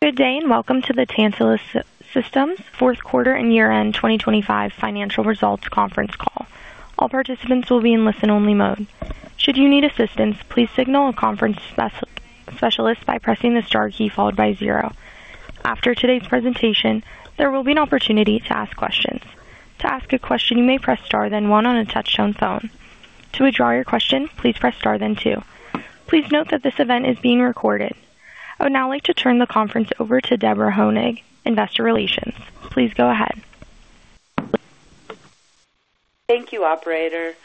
Good day, and welcome to the Tantalus Systems fourth quarter and year-end 2025 financial results conference call. All participants will be in listen-only mode. Should you need assistance, please signal a conference specialist by pressing the star key followed by zero. After today's presentation, there will be an opportunity to ask questions. To ask a question, you may press star then one on a touchtone phone. To withdraw your question, please press star then two. Please note that this event is being recorded. I would now like to turn the conference over to Deborah Honig, Investor Relations. Please go ahead. Thank you, operator.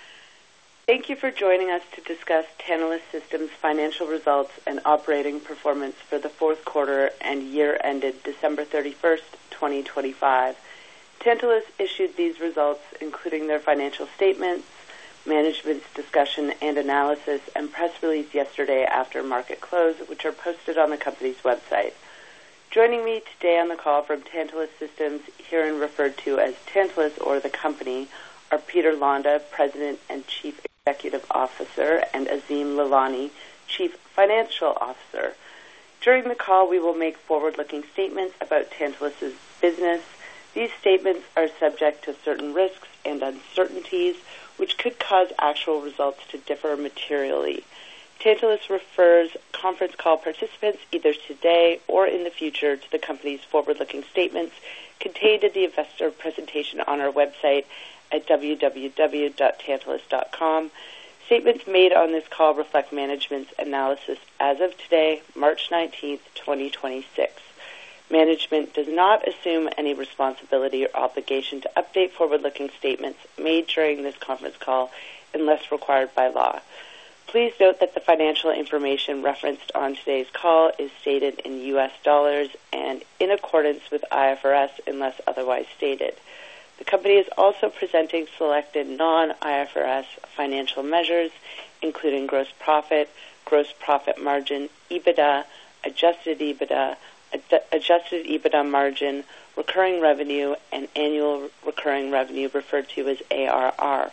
Thank you for joining us to discuss Tantalus Systems financial results and operating performance for the fourth quarter and year ended December 31st, 2025. Tantalus issued these results, including their financial statements, management's discussion and analysis, and press release yesterday after market close, which are posted on the company's website. Joining me today on the call from Tantalus Systems, herein referred to as Tantalus or the company, are Peter Londa, President and Chief Executive Officer, and Azim Lalani, Chief Financial Officer. During the call, we will make forward-looking statements about Tantalus's business. These statements are subject to certain risks and uncertainties, which could cause actual results to differ materially. Tantalus refers conference call participants either today or in the future to the company's forward-looking statements contained in the investor presentation on our website at www.tantalus.com. Statements made on this call reflect management's analysis as of today, March 19th, 2026. Management does not assume any responsibility or obligation to update forward-looking statements made during this conference call unless required by law. Please note that the financial information referenced on today's call is stated in US dollars and in accordance with IFRS, unless otherwise stated. The company is also presenting selected non-IFRS financial measures, including gross profit, gross profit margin, EBITDA, adjusted EBITDA, adjusted EBITDA margin, recurring revenue, and annual recurring revenue, referred to as ARR.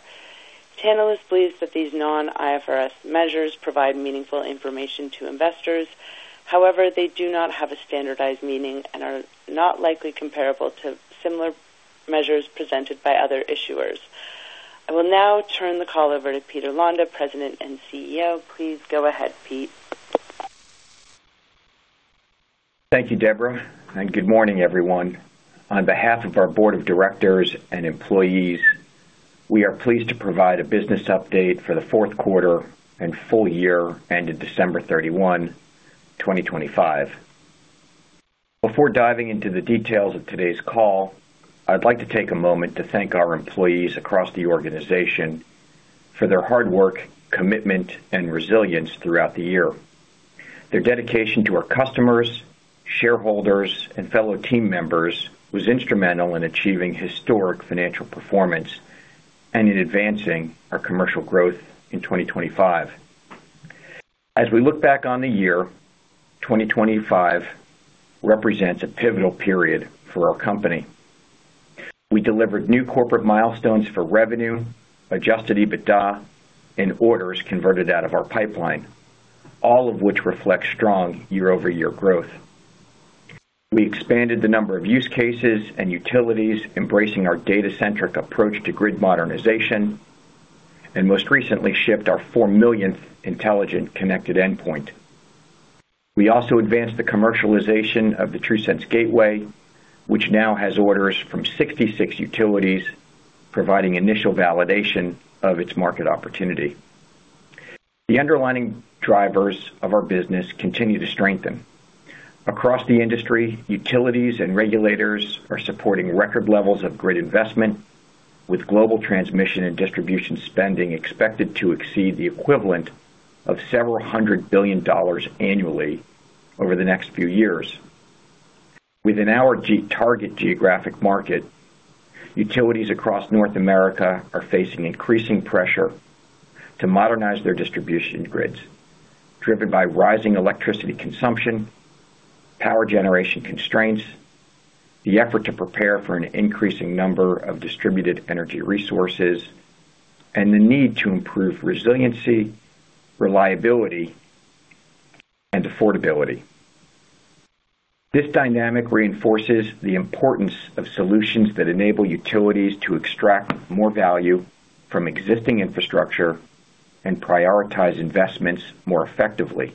Tantalus believes that these non-IFRS measures provide meaningful information to investors. However, they do not have a standardized meaning and are not likely comparable to similar measures presented by other issuers. I will now turn the call over to Peter Londa, President and CEO. Please go ahead, Pete. Thank you, Deborah, and good morning, everyone. On behalf of our board of directors and employees, we are pleased to provide a business update for the fourth quarter and full year ended December 31, 2025. Before diving into the details of today's call, I'd like to take a moment to thank our employees across the organization for their hard work, commitment, and resilience throughout the year. Their dedication to our customers, shareholders, and fellow team members was instrumental in achieving historic financial performance and in advancing our commercial growth in 2025. As we look back on the year, 2025 represents a pivotal period for our company. We delivered new corporate milestones for revenue, adjusted EBITDA, and orders converted out of our pipeline, all of which reflect strong year-over-year growth. We expanded the number of use cases and utilities embracing our data-centric approach to grid modernization, and most recently shipped our 4 millionth intelligent connected endpoint. We also advanced the commercialization of the TRUSense Gateway, which now has orders from 66 utilities, providing initial validation of its market opportunity. The underlying drivers of our business continue to strengthen. Across the industry, utilities and regulators are supporting record levels of grid investment, with global transmission and distribution spending expected to exceed the equivalent of $several hundred billion annually over the next few years. Within our target geographic market, utilities across North America are facing increasing pressure to modernize their distribution grids, driven by rising electricity consumption, power generation constraints, the effort to prepare for an increasing number of distributed energy resources, and the need to improve resiliency, reliability, and affordability. This dynamic reinforces the importance of solutions that enable utilities to extract more value from existing infrastructure and prioritize investments more effectively.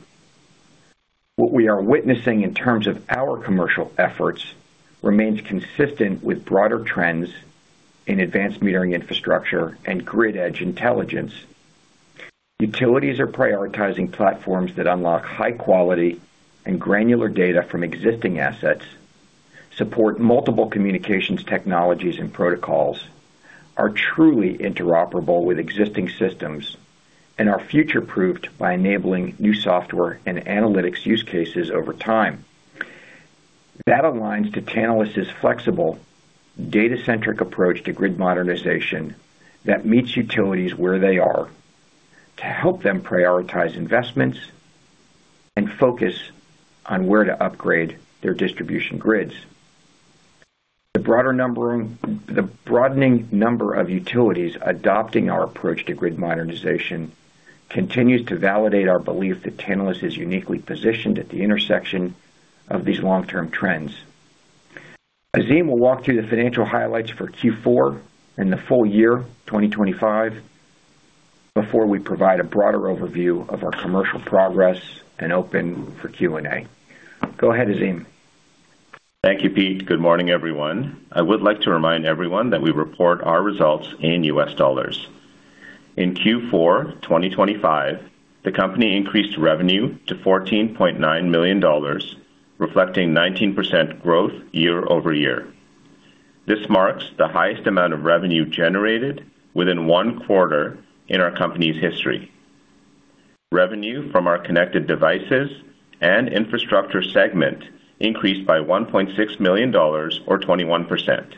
What we are witnessing in terms of our commercial efforts remains consistent with broader trends in advanced metering infrastructure and grid edge intelligence. Utilities are prioritizing platforms that unlock high quality and granular data from existing assets, support multiple communications technologies and protocols, are truly interoperable with existing systems, and are future-proofed by enabling new software and analytics use cases over time. That aligns to Tantalus's flexible, data-centric approach to grid modernization that meets utilities where they are to help them prioritize investments and focus on where to upgrade their distribution grids. The broadening number of utilities adopting our approach to grid modernization continues to validate our belief that Tantalus is uniquely positioned at the intersection of these long-term trends. Azim will walk through the financial highlights for Q4 and the full year 2025 before we provide a broader overview of our commercial progress and open for Q&A. Go ahead, Azim. Thank you, Pete. Good morning, everyone. I would like to remind everyone that we report our results in US dollars. In Q4 2025, the company increased revenue to $14.9 million, reflecting 19% growth year-over-year. This marks the highest amount of revenue generated within one quarter in our company's history. Revenue from our connected devices and infrastructure segment increased by $1.6 million or 21%,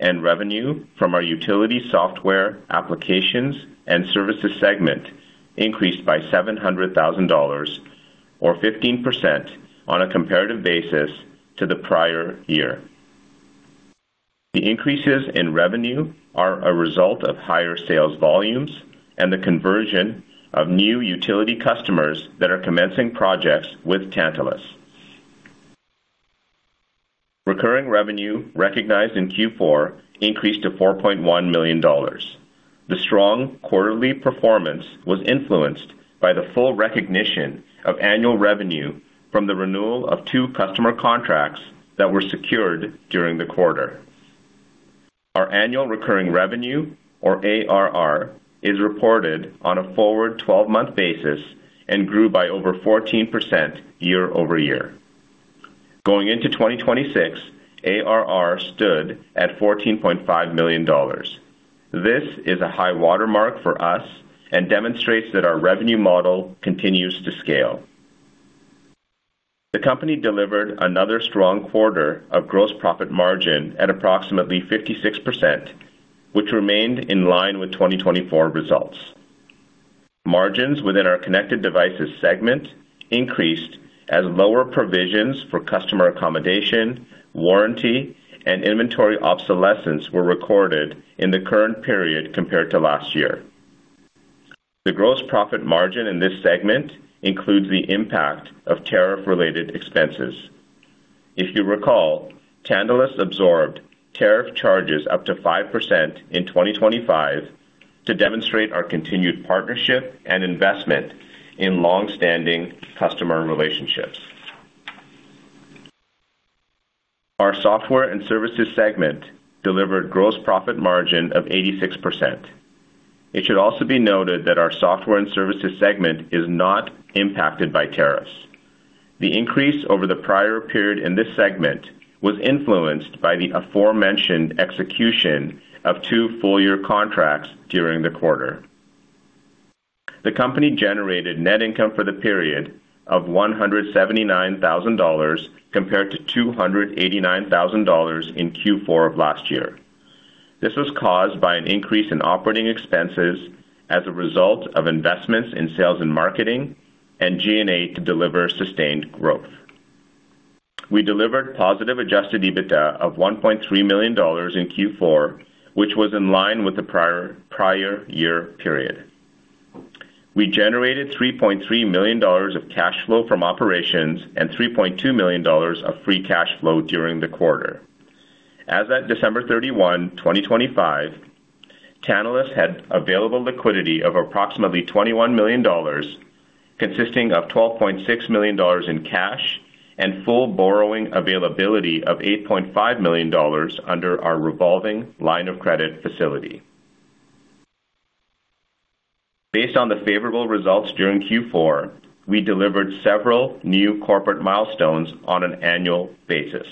and revenue from our utility software, applications, and services segment increased by $700,000 or 15% on a comparative basis to the prior year. The increases in revenue are a result of higher sales volumes and the conversion of new utility customers that are commencing projects with Tantalus. Recurring revenue recognized in Q4 increased to $4.1 million. The strong quarterly performance was influenced by the full recognition of annual revenue from the renewal of two customer contracts that were secured during the quarter. Our annual recurring revenue, or ARR, is reported on a forward twelve-month basis and grew by over 14% year-over-year. Going into 2026, ARR stood at $14.5 million. This is a high watermark for us and demonstrates that our revenue model continues to scale. The company delivered another strong quarter of gross profit margin at approximately 56%, which remained in line with 2024 results. Margins within our connected devices segment increased as lower provisions for customer accommodation, warranty, and inventory obsolescence were recorded in the current period compared to last year. The gross profit margin in this segment includes the impact of tariff-related expenses. If you recall, Tantalus absorbed tariff charges up to 5% in 2025 to demonstrate our continued partnership and investment in long-standing customer relationships. Our software and services segment delivered gross profit margin of 86%. It should also be noted that our software and services segment is not impacted by tariffs. The increase over the prior period in this segment was influenced by the aforementioned execution of two full-year contracts during the quarter. The company generated net income for the period of $179,000 compared to $289,000 in Q4 of last year. This was caused by an increase in operating expenses as a result of investments in sales and marketing and G&A to deliver sustained growth. We delivered positive adjusted EBITDA of $1.3 million in Q4, which was in line with the prior year period. We generated $3.3 million of cash flow from operations and $3.2 million of free cash flow during the quarter. As at December 31, 2025, Tantalus had available liquidity of approximately $21 million, consisting of $12.6 million in cash and full borrowing availability of $8.5 million under our revolving line of credit facility. Based on the favorable results during Q4, we delivered several new corporate milestones on an annual basis.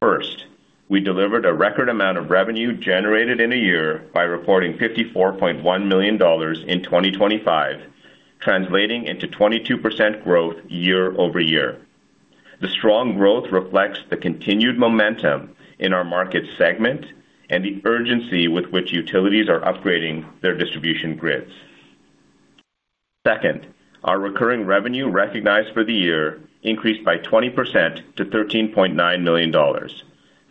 First, we delivered a record amount of revenue generated in a year by reporting $54.1 million in 2025, translating into 22% growth year-over-year. The strong growth reflects the continued momentum in our market segment and the urgency with which utilities are upgrading their distribution grids. Second, our recurring revenue recognized for the year increased by 20% to $13.9 million.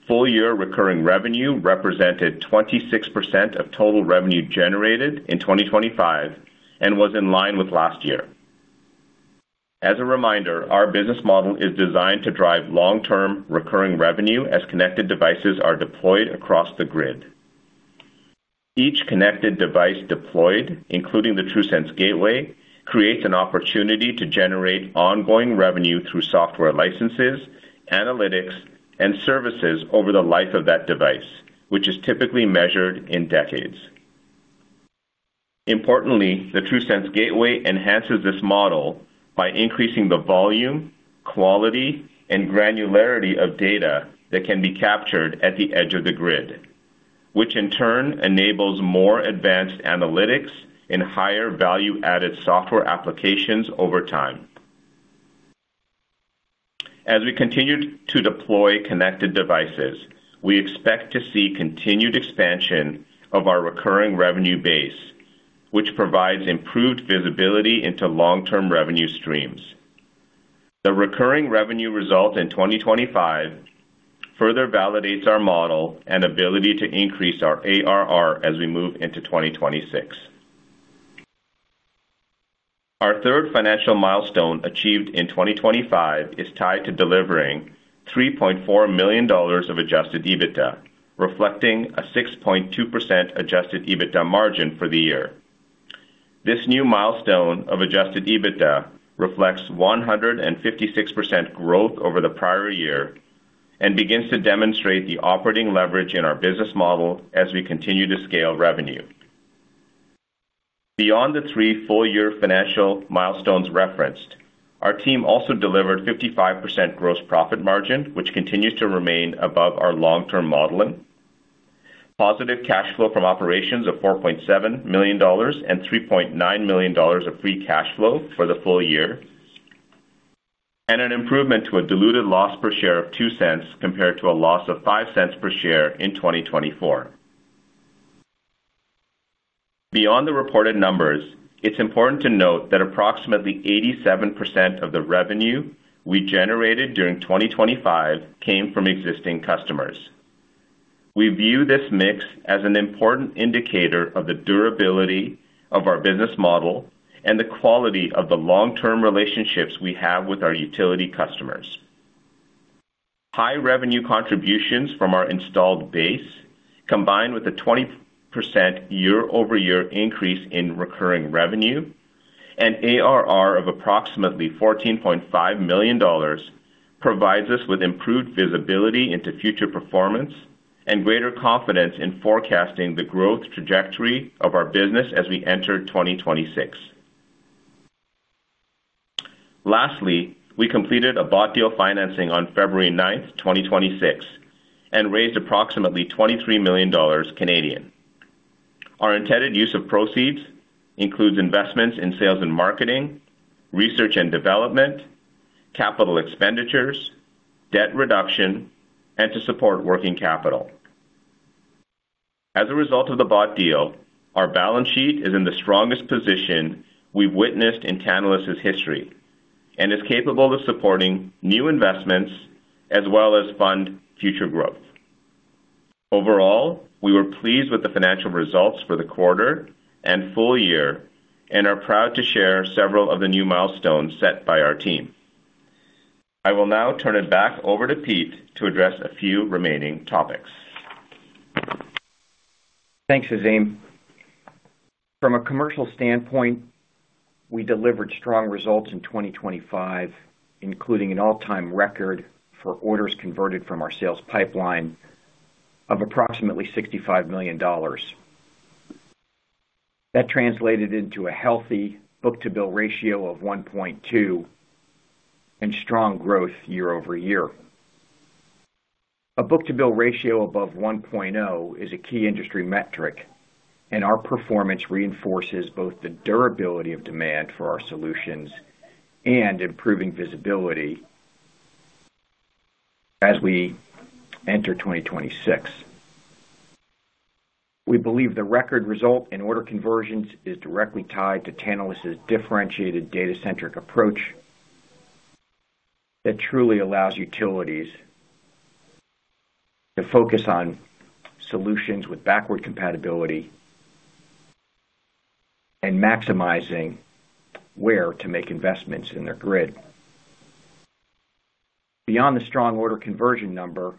Full year recurring revenue represented 26% of total revenue generated in 2025 and was in line with last year. As a reminder, our business model is designed to drive long-term recurring revenue as connected devices are deployed across the grid. Each connected device deployed, including the TRUSense Gateway, creates an opportunity to generate ongoing revenue through software licenses, analytics, and services over the life of that device, which is typically measured in decades. Importantly, the TRUSense Gateway enhances this model by increasing the volume, quality, and granularity of data that can be captured at the edge of the grid, which in turn enables more advanced analytics and higher value-added software applications over time. As we continue to deploy connected devices, we expect to see continued expansion of our recurring revenue base, which provides improved visibility into long-term revenue streams. The recurring revenue result in 2025 further validates our model and ability to increase our ARR as we move into 2026. Our third financial milestone achieved in 2025 is tied to delivering $3.4 million of adjusted EBITDA, reflecting a 6.2% adjusted EBITDA margin for the year. This new milestone of adjusted EBITDA reflects 156% growth over the prior year and begins to demonstrate the operating leverage in our business model as we continue to scale revenue. Beyond the three full-year financial milestones referenced, our team also delivered 55% gross profit margin, which continues to remain above our long-term modeling. Positive cash flow from operations of $4.7 million and $3.9 million of free cash flow for the full year, and an improvement to a diluted loss per share of $0.02, compared to a loss of $0.05 per share in 2024. Beyond the reported numbers, it's important to note that approximately 87% of the revenue we generated during 2025 came from existing customers. We view this mix as an important indicator of the durability of our business model and the quality of the long-term relationships we have with our utility customers. High revenue contributions from our installed base, combined with a 20% year-over-year increase in recurring revenue and ARR of approximately $14.5 million, provides us with improved visibility into future performance and greater confidence in forecasting the growth trajectory of our business as we enter 2026. Lastly, we completed a bought deal financing on February 9th, 2026, and raised approximately 23 million Canadian dollars. Our intended use of proceeds includes investments in sales and marketing, research and development, capital expenditures, debt reduction, and to support working capital. As a result of the bought deal, our balance sheet is in the strongest position we've witnessed in Tantalus' history and is capable of supporting new investments as well as fund future growth. Overall, we were pleased with the financial results for the quarter and full year and are proud to share several of the new milestones set by our team. I will now turn it back over to Pete to address a few remaining topics. Thanks, Azim. From a commercial standpoint, we delivered strong results in 2025, including an all-time record for orders converted from our sales pipeline of approximately $65 million. That translated into a healthy book-to-bill ratio of 1.2 and strong growth year-over-year. A book-to-bill ratio above 1.0 is a key industry metric, and our performance reinforces both the durability of demand for our solutions and improving visibility as we enter 2026. We believe the record result in order conversions is directly tied to Tantalus' differentiated data-centric approach that truly allows utilities to focus on solutions with backward compatibility and maximizing where to make investments in their grid. Beyond the strong order conversion number,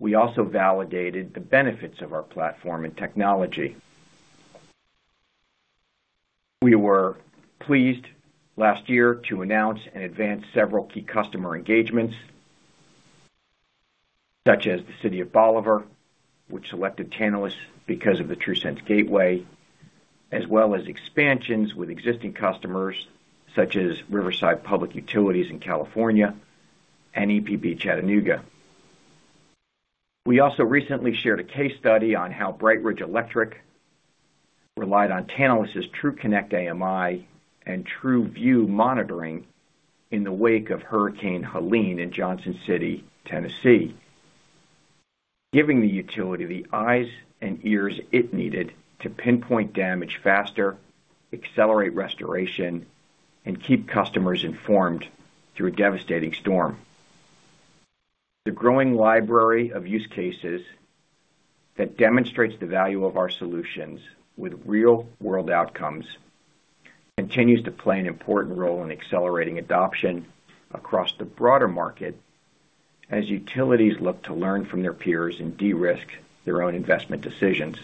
we also validated the benefits of our platform and technology. We were pleased last year to announce and advance several key customer engagements, such as the City of Bolivar, which selected Tantalus because of the TRUSense Gateway, as well as expansions with existing customers such as Riverside Public Utilities in California and EPB Chattanooga. We also recently shared a case study on how BrightRidge relied on Tantalus' TRUConnect AMI and TRUView monitoring in the wake of Hurricane Helene in Johnson City, Tennessee, giving the utility the eyes and ears it needed to pinpoint damage faster, accelerate restoration, and keep customers informed through a devastating storm. The growing library of use cases that demonstrates the value of our solutions with real-world outcomes continues to play an important role in accelerating adoption across the broader market as utilities look to learn from their peers and de-risk their own investment decisions.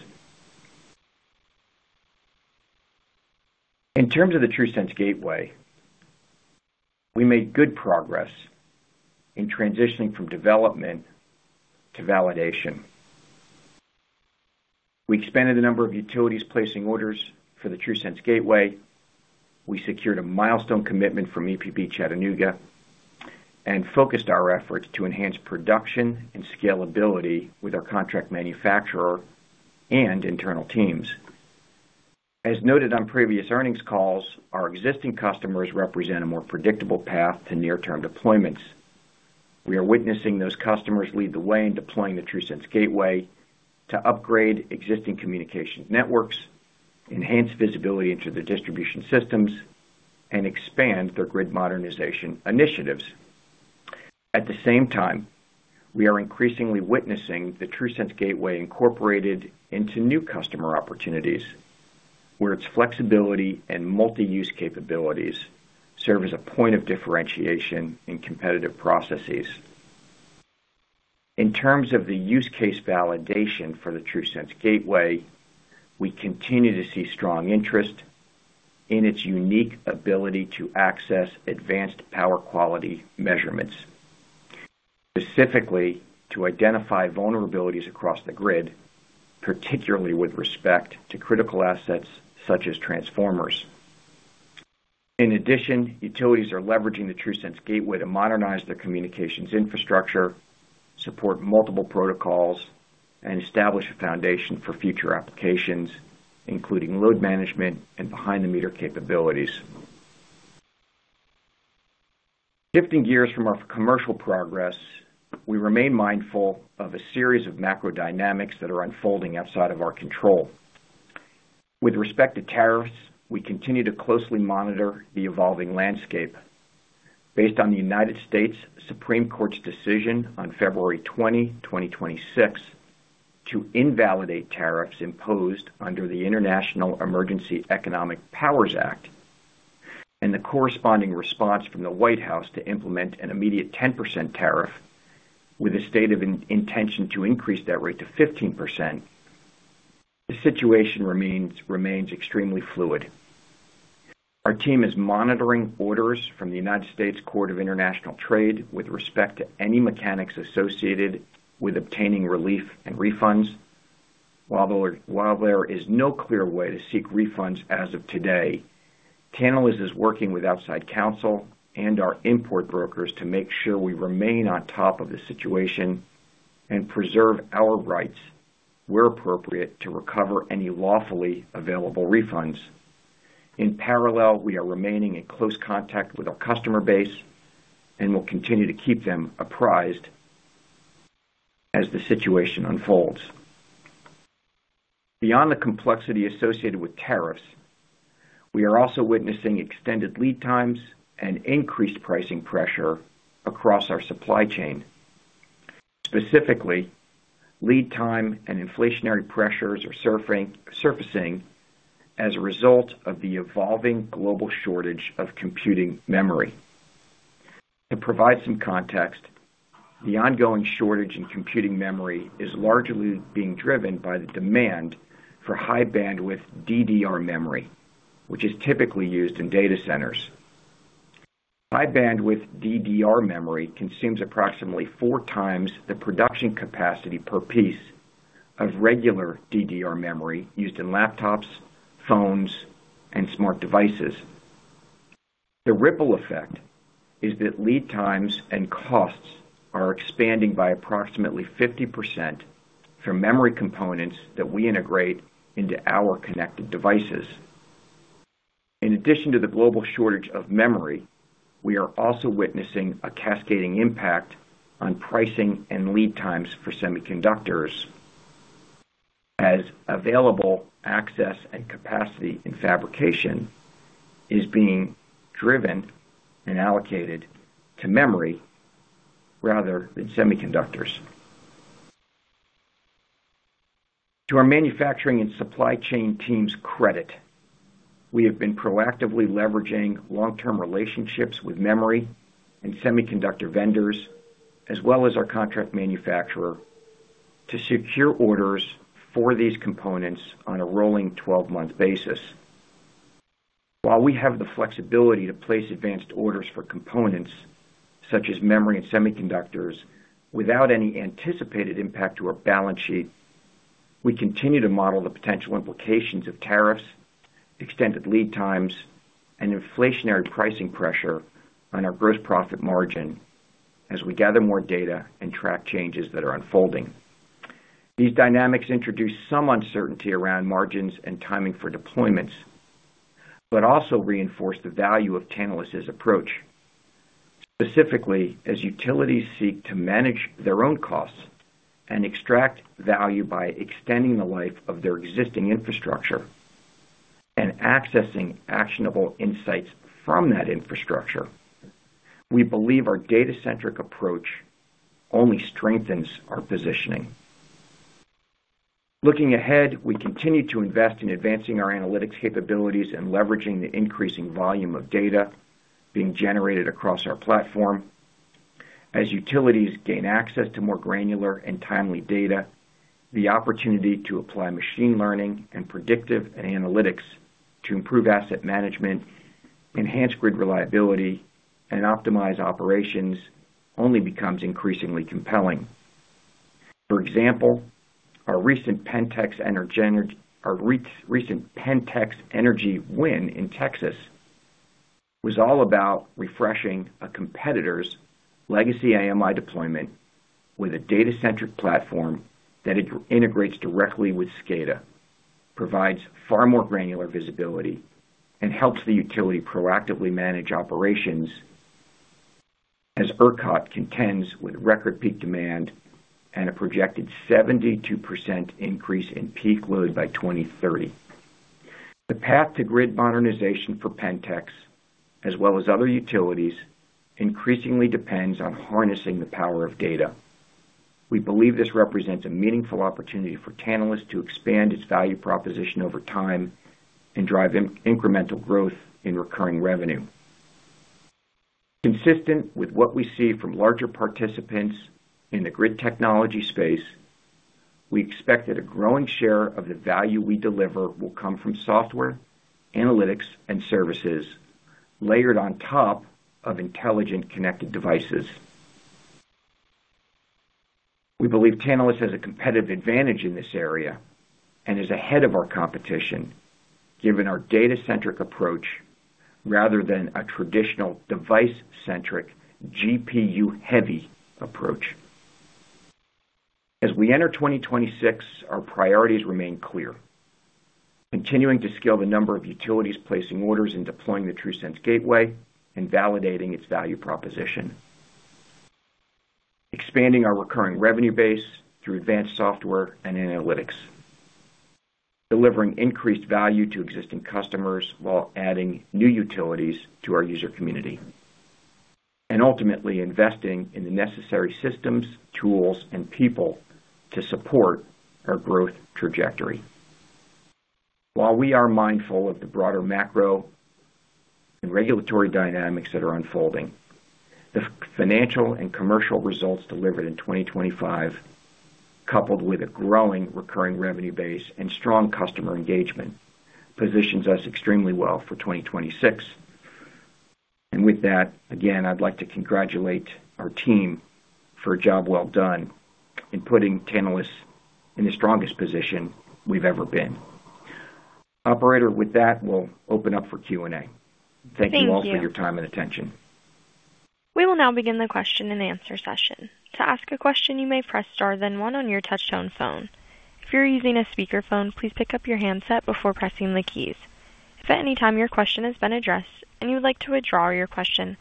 In terms of the TRUSense Gateway, we made good progress in transitioning from development to validation. We expanded the number of utilities placing orders for the TRUSense Gateway. We secured a milestone commitment from EPB of Chattanooga and focused our efforts to enhance production and scalability with our contract manufacturer and internal teams. As noted on previous earnings calls, our existing customers represent a more predictable path to near-term deployments. We are witnessing those customers lead the way in deploying the TRUSense Gateway to upgrade existing communication networks, enhance visibility into the distribution systems, and expand their grid modernization initiatives. At the same time, we are increasingly witnessing the TRUSense Gateway incorporated into new customer opportunities, where its flexibility and multi-use capabilities serve as a point of differentiation in competitive processes. In terms of the use case validation for the TRUSense Gateway, we continue to see strong interest in its unique ability to access advanced power quality measurements, specifically to identify vulnerabilities across the grid, particularly with respect to critical assets such as transformers. In addition, utilities are leveraging the TRUSense Gateway to modernize their communications infrastructure, support multiple protocols, and establish a foundation for future applications, including load management and behind-the-meter capabilities. Shifting gears from our commercial progress, we remain mindful of a series of macro dynamics that are unfolding outside of our control. With respect to tariffs, we continue to closely monitor the evolving landscape. Based on the Supreme Court of the United States's decision on February 20, 2026 to invalidate tariffs imposed under the International Emergency Economic Powers Act and the corresponding response from the White House to implement an immediate 10% tariff with a stated intention to increase that rate to 15%, the situation remains extremely fluid. Our team is monitoring orders from the United States Court of International Trade with respect to any mechanics associated with obtaining relief and refunds. While there is no clear way to seek refunds as of today, Tantalus is working with outside counsel and our import brokers to make sure we remain on top of the situation and preserve our rights where appropriate to recover any lawfully available refunds. In parallel, we are remaining in close contact with our customer base, and we'll continue to keep them apprised as the situation unfolds. Beyond the complexity associated with tariffs, we are also witnessing extended lead times and increased pricing pressure across our supply chain. Specifically, lead time and inflationary pressures are surfacing as a result of the evolving global shortage of computing memory. To provide some context, the ongoing shortage in computing memory is largely being driven by the demand for high-bandwidth DDR memory, which is typically used in data centers. High-bandwidth DDR memory consumes approximately four times the production capacity per piece of regular DDR memory used in laptops, phones, and smart devices. The ripple effect is that lead times and costs are expanding by approximately 50% for memory components that we integrate into our connected devices. In addition to the global shortage of memory, we are also witnessing a cascading impact on pricing and lead times for semiconductors, as available access and capacity in fabrication is being driven and allocated to memory rather than semiconductors. To our manufacturing and supply chain team's credit, we have been proactively leveraging long-term relationships with memory and semiconductor vendors, as well as our contract manufacturer, to secure orders for these components on a rolling 12-month basis. While we have the flexibility to place advanced orders for components such as memory and semiconductors without any anticipated impact to our balance sheet, we continue to model the potential implications of tariffs, extended lead times, and inflationary pricing pressure on our gross profit margin as we gather more data and track changes that are unfolding. These dynamics introduce some uncertainty around margins and timing for deployments, but also reinforce the value of Tantalus's approach. Specifically, as utilities seek to manage their own costs and extract value by extending the life of their existing infrastructure and accessing actionable insights from that infrastructure, we believe our data-centric approach only strengthens our positioning. Looking ahead, we continue to invest in advancing our analytics capabilities and leveraging the increasing volume of data being generated across our platform. As utilities gain access to more granular and timely data, the opportunity to apply machine learning and predictive analytics to improve asset management, enhance grid reliability, and optimize operations only becomes increasingly compelling. For example, our recent PenTex Energy win in Texas was all about refreshing a competitor's legacy AMI deployment with a data-centric platform that integrates directly with SCADA. It provides far more granular visibility and helps the utility proactively manage operations as ERCOT contends with record peak demand and a projected 72% increase in peak load by 2030. The path to grid modernization for PenTex, as well as other utilities, increasingly depends on harnessing the power of data. We believe this represents a meaningful opportunity for Tantalus to expand its value proposition over time and drive incremental growth in recurring revenue. Consistent with what we see from larger participants in the grid technology space, we expect that a growing share of the value we deliver will come from software, analytics and services layered on top of intelligent connected devices. We believe Tantalus has a competitive advantage in this area and is ahead of our competition given our data-centric approach rather than a traditional device-centric, GPU-heavy approach. As we enter 2026, our priorities remain clear. Continuing to scale the number of utilities placing orders and deploying the TRUSense Gateway and validating its value proposition. Expanding our recurring revenue base through advanced software and analytics. Delivering increased value to existing customers while adding new utilities to our user community. Ultimately investing in the necessary systems, tools, and people to support our growth trajectory. While we are mindful of the broader macro and regulatory dynamics that are unfolding, the financial and commercial results delivered in 2025, coupled with a growing recurring revenue base and strong customer engagement, positions us extremely well for 2026. With that, again, I'd like to congratulate our team for a job well done in putting Tantalus in the strongest position we've ever been. Operator, with that, we'll open up for Q&A. Thank you. Thank you all for your time and attention. We will now begin the question-and-answer session. To ask a question, you may press star then one on your touchtone phone. If you're using a speakerphone, please pick up your handset before pressing the keys. If at any time your question has been addressed and you would like to withdraw your question,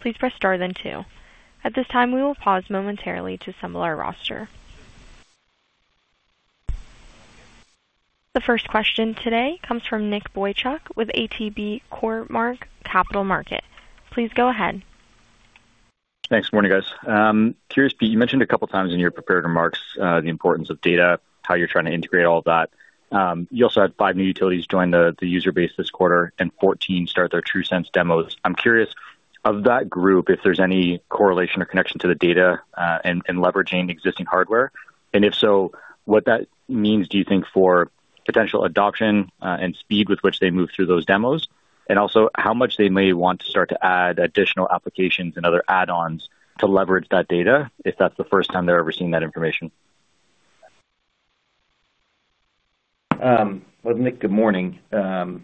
please press star then two. At this time, we will pause momentarily to assemble our roster. The first question today comes from Nic Boychuk with ATB Cormark Capital Markets. Please go ahead. Thanks. Morning, guys. Curious, Pete, you mentioned a couple of times in your prepared remarks, the importance of data, how you're trying to integrate all of that. You also had five new utilities join the user base this quarter and 14 start their TRUSense demos. I'm curious of that group, if there's any correlation or connection to the data, and leveraging existing hardware, and if so, what that means, do you think, for potential adoption, and speed with which they move through those demos? Also how much they may want to start to add additional applications and other add-ons to leverage that data, if that's the first time they're ever seeing that information. Well, Nic, good morning, and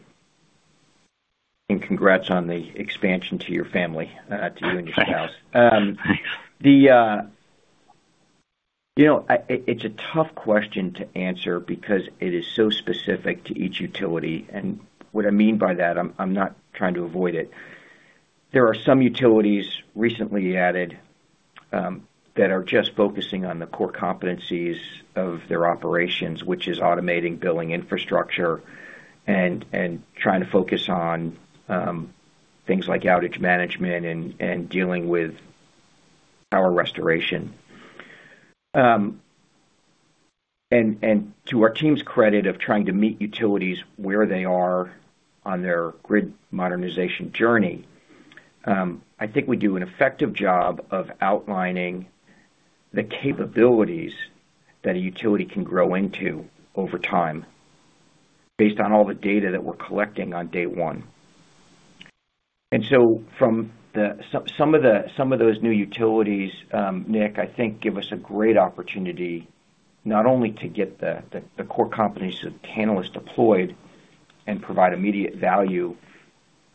congrats on the expansion to your family, to you and your spouse. Thanks. You know, it's a tough question to answer because it is so specific to each utility. What I mean by that, I'm not trying to avoid it. There are some utilities recently added that are just focusing on the core competencies of their operations, which is automating billing infrastructure and trying to focus on things like outage management and dealing with power restoration. To our team's credit of trying to meet utilities where they are on their grid modernization journey, I think we do an effective job of outlining the capabilities that a utility can grow into over time based on all the data that we're collecting on day one. Some of those new utilities, Nic, I think give us a great opportunity not only to get the core competencies of Tantalus deployed and provide immediate value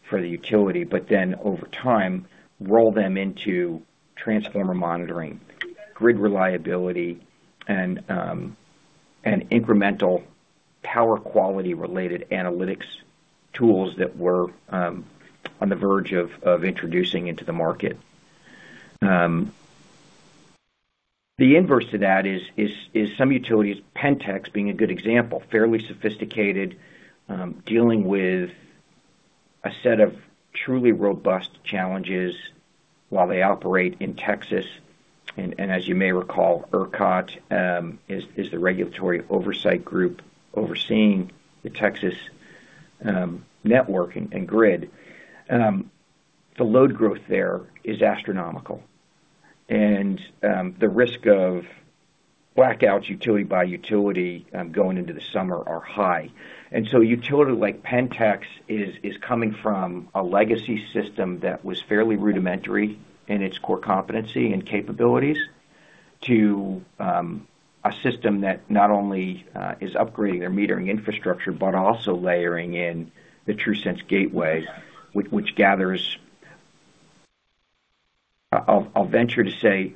for the utility, but then over time, roll them into transformer monitoring, grid reliability, and incremental power quality-related analytics tools that we're on the verge of introducing into the market. The inverse to that is some utilities, PenTex being a good example, fairly sophisticated, dealing with a set of truly robust challenges while they operate in Texas. As you may recall, ERCOT is the regulatory oversight group overseeing the Texas network and grid. The load growth there is astronomical. The risk of blackouts, utility by utility, going into the summer are high. A utility like PenTex is coming from a legacy system that was fairly rudimentary in its core competency and capabilities to a system that not only is upgrading their metering infrastructure, but also layering in the TRUSense Gateway, which gathers. I'll venture to say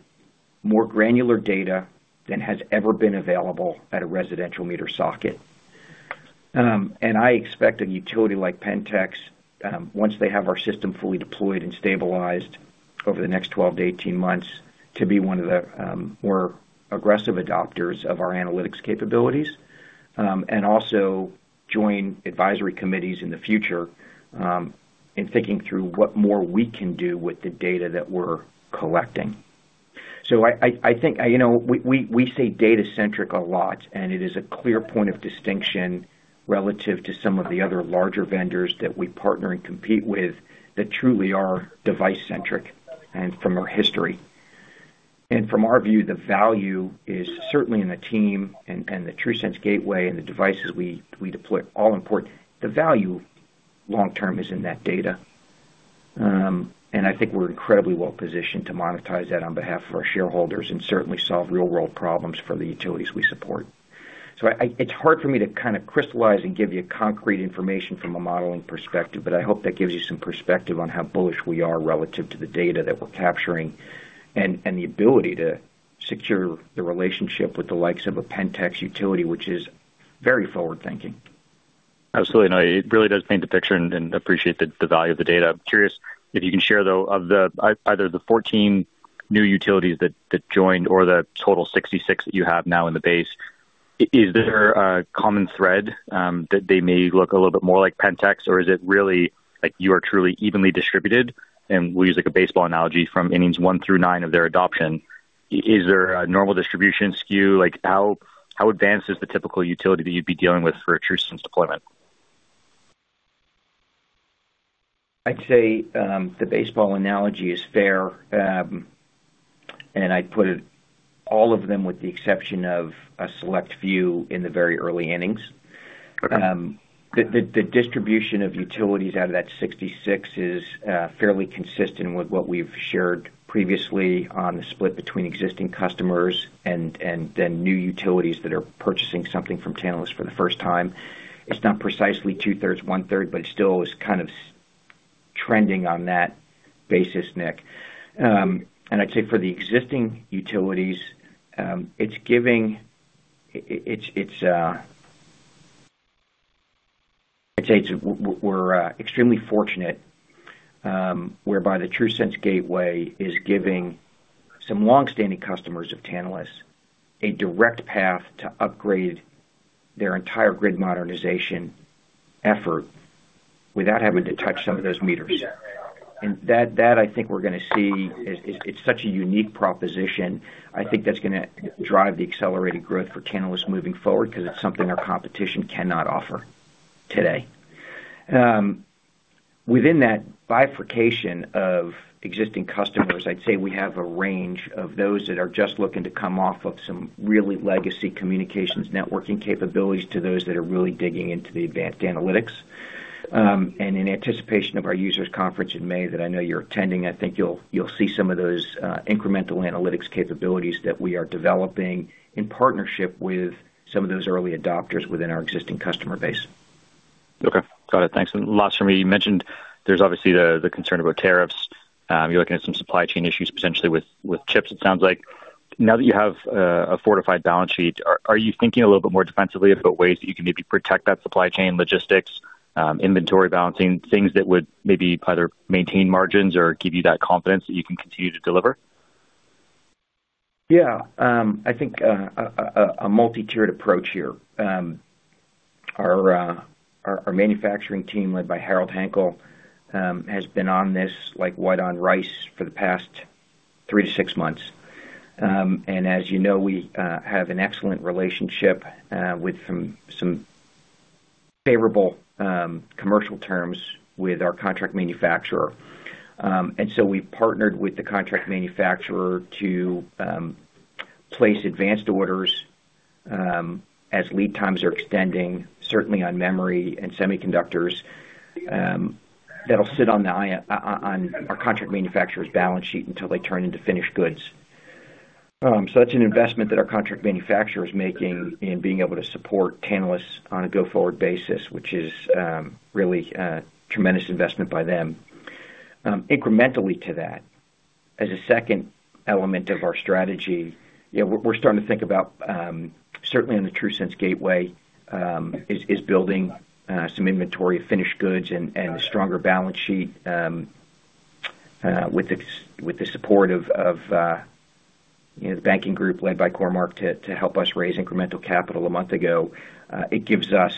more granular data than has ever been available at a residential meter socket. I expect a utility like PenTex, once they have our system fully deployed and stabilized over the next 12-18 months, to be one of the more aggressive adopters of our analytics capabilities, and also join advisory committees in the future, in thinking through what more we can do with the data that we're collecting. I think, you know, we say data-centric a lot, and it is a clear point of distinction relative to some of the other larger vendors that we partner and compete with that truly are device-centric and from our history. From our view, the value is certainly in the team and the TRUSense Gateway and the devices we deploy, all important. The value long term is in that data. I think we're incredibly well positioned to monetize that on behalf of our shareholders and certainly solve real-world problems for the utilities we support. I It's hard for me to kind of crystallize and give you concrete information from a modeling perspective, but I hope that gives you some perspective on how bullish we are relative to the data that we're capturing and the ability to secure the relationship with the likes of a PenTex utility, which is very forward-thinking. Absolutely. No, it really does paint the picture and appreciate the value of the data. I'm curious if you can share, though, either the 14 new utilities that joined or the total 66 that you have now in the base, is there a common thread that they may look a little bit more like PenTex? Or is it really like you are truly evenly distributed, and we'll use, like, a baseball analogy from innings 1 through 9 of their adoption. Is there a normal distribution skew? Like, how advanced is the typical utility that you'd be dealing with for a TRUSense deployment? I'd say, the baseball analogy is fair. I'd put all of them, with the exception of a select few, in the very early innings. Okay. The distribution of utilities out of that 66 is fairly consistent with what we've shared previously on the split between existing customers and then new utilities that are purchasing something from Tantalus for the first time. It's not precisely 2/3, 1/3, but it still is kind of trending on that basis, Nic. I'd say for the existing utilities, it's giving. It's, I'd say we're extremely fortunate, whereby the TRUSense Gateway is giving some long-standing customers of Tantalus a direct path to upgrade their entire grid modernization effort without having to touch some of those meters. That I think we're gonna see is such a unique proposition. I think that's gonna drive the accelerated growth for Tantalus moving forward because it's something our competition cannot offer today. Within that bifurcation of existing customers, I'd say we have a range of those that are just looking to come off of some really legacy communications networking capabilities to those that are really digging into the advanced analytics. In anticipation of our users conference in May that I know you're attending, I think you'll see some of those incremental analytics capabilities that we are developing in partnership with some of those early adopters within our existing customer base. Okay. Got it. Thanks. Last for me, you mentioned there's obviously the concern about tariffs. You're looking at some supply chain issues potentially with chips, it sounds like. Now that you have a fortified balance sheet, are you thinking a little bit more defensively about ways that you can maybe protect that supply chain, logistics, inventory balancing, things that would maybe either maintain margins or give you that confidence that you can continue to deliver? Yeah. I think a multi-tiered approach here. Our manufacturing team, led by Harold Hankel, has been on this like white on rice for the past three-six months. As you know, we have an excellent relationship with some favorable commercial terms with our contract manufacturer. We partnered with the contract manufacturer to place advanced orders as lead times are extending, certainly on memory and semiconductors, that'll sit on our contract manufacturer's balance sheet until they turn into finished goods. That's an investment that our contract manufacturer is making in being able to support Tantalus on a go-forward basis, which is really a tremendous investment by them. Incrementally to that, as a second element of our strategy, you know, we're starting to think about certainly on the TRUSense Gateway building some inventory of finished goods and a stronger balance sheet with the support of you know the banking group led by Cormark to help us raise incremental capital a month ago. It gives us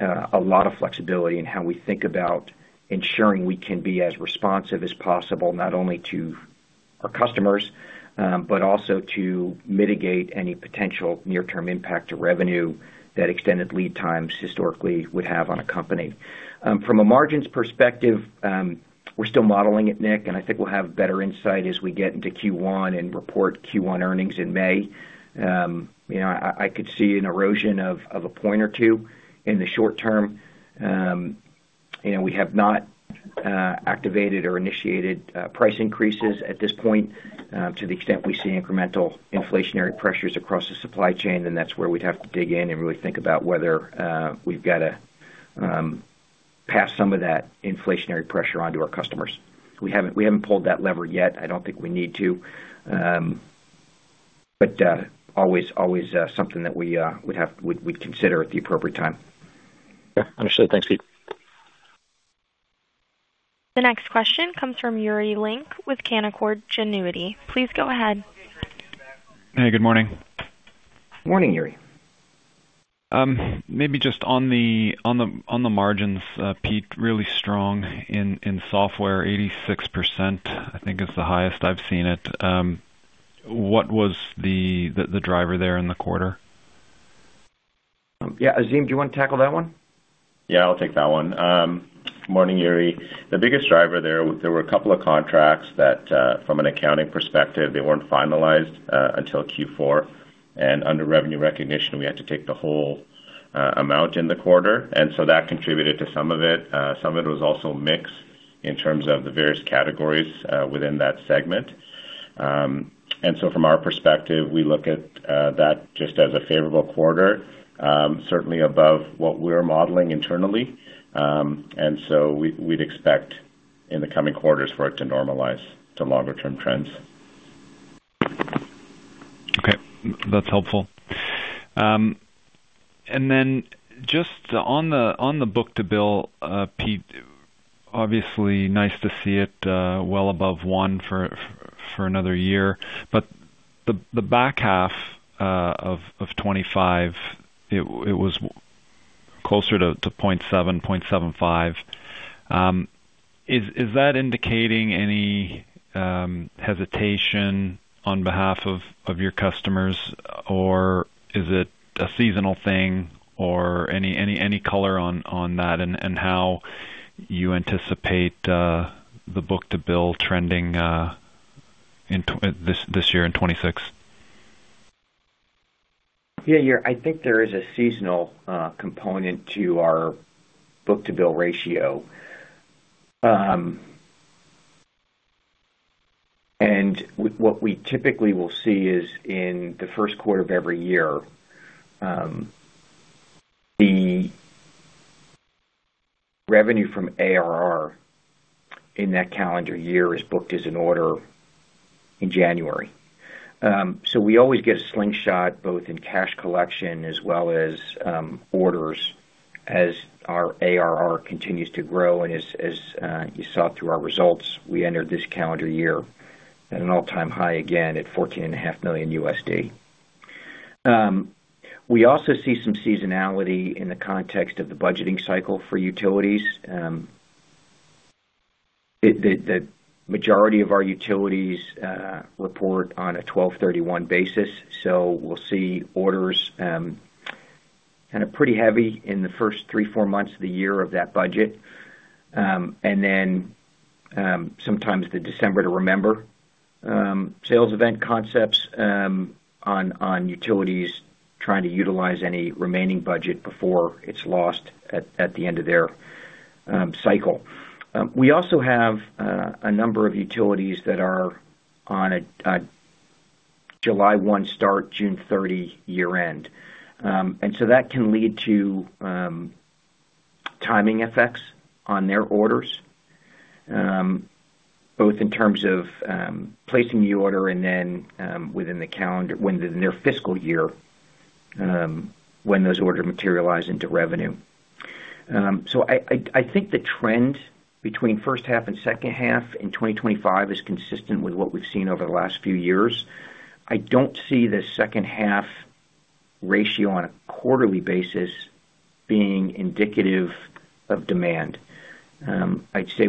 a lot of flexibility in how we think about ensuring we can be as responsive as possible, not only to our customers, but also to mitigate any potential near-term impact to revenue that extended lead times historically would have on a company. From a margins perspective, we're still modeling it, Nic, and I think we'll have better insight as we get into Q1 and report Q1 earnings in May. You know, I could see an erosion of a point or two in the short term. You know, we have not activated or initiated price increases at this point. To the extent we see incremental inflationary pressures across the supply chain, then that's where we'd have to dig in and really think about whether we've got to pass some of that inflationary pressure onto our customers. We haven't pulled that lever yet. I don't think we need to. Always something that we'd consider at the appropriate time. Okay. Understood. Thanks, Pete. The next question comes from Yuri Lynk with Canaccord Genuity. Please go ahead. Hey, good morning. Morning, Yuri. Maybe just on the margins, Pete, really strong in software, 86%, I think is the highest I've seen it. What was the driver there in the quarter? Yeah. Azim, do you want to tackle that one? Yeah, I'll take that one. Morning, Yuri. The biggest driver there were a couple of contracts that from an accounting perspective, they weren't finalized until Q4. Under revenue recognition, we had to take the whole amount in the quarter. That contributed to some of it. Some of it was also mix in terms of the various categories within that segment. From our perspective, we look at that just as a favorable quarter, certainly above what we're modeling internally. We'd expect in the coming quarters for it to normalize to longer term trends. Okay. That's helpful. Just on the book-to-bill, Pete, obviously nice to see it well above 1 for another year. The back half of 25, it was closer to 0.75. Is that indicating any hesitation on behalf of your customers? Or is it a seasonal thing? Or any color on that and how you anticipate the book-to-bill trending in this year in 26? Yeah, Yuri. I think there is a seasonal component to our book-to-bill ratio. What we typically will see is in the first quarter of every year, the revenue from ARR in that calendar year is booked as an order in January. We always get a slingshot both in cash collection as well as orders as our ARR continues to grow. As you saw through our results, we entered this calendar year at an all-time high, again at $14.5 million. We also see some seasonality in the context of the budgeting cycle for utilities. The majority of our utilities report on a twelve thirty-one basis, so we'll see orders kind of pretty heavy in the first three, four months of the year of that budget. Sometimes the December to remember sales event concepts on utilities trying to utilize any remaining budget before it's lost at the end of their cycle. We also have a number of utilities that are on a July 1 start, June 30 year-end. That can lead to timing effects on their orders, both in terms of placing the order and then within the calendar when their fiscal year, when those orders materialize into revenue. I think the trend between first half and second half in 2025 is consistent with what we've seen over the last few years. I don't see the second half ratio on a quarterly basis being indicative of demand. I'd say